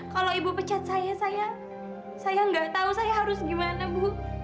kalau ibu pecat saya saya nggak tahu saya harus gimana bu